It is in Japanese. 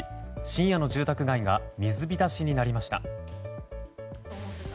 深夜の住宅街が水浸しになりました。